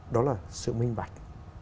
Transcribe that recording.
đó là sự minh bạch